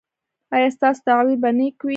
ایا ستاسو تعبیر به نیک وي؟